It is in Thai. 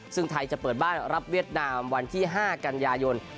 ซึ่งไทยจะเปิดบ้านรับเวียดนามวันที่๕กันยายน